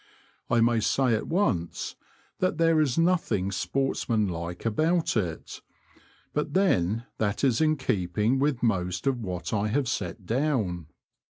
I may say at once that there is nothing sportsmanlike about it ; but then that is in keeping with most of what I have set down.